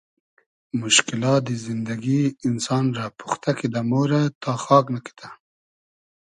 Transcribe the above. موشکیلات زیندئگی اینسان رۂ پوختۂ کیدۂ مۉرۂ تا خاگ نئکئدۂ